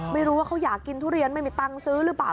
ไม่รู้ว่าเขาอยากกินทุเรียนไม่มีตังค์ซื้อหรือเปล่า